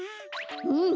うん。